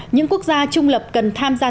những quốc gia trung lập cần tham gia